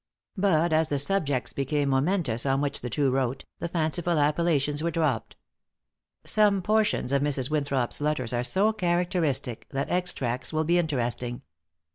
But as the subjects became momentous on which the two wrote, the fanciful appellations were dropped. Some portions of Mrs. Winthrop's letters are so characteristic, that extracts will be interesting.